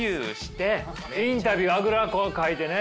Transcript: インタビューはあぐらかいてね